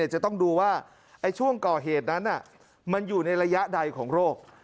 จะต้องดูว่าช่วงก่อเหตุนั้นมันอยู่ในระยะใดของโรค